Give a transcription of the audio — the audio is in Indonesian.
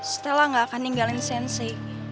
stela gak akan ninggalin sensei